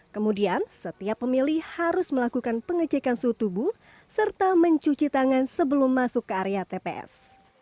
kemudian setiap pemilih harus melakukan pengecekan suhu tubuh serta mencuci tangan sebelum masuk ke area tps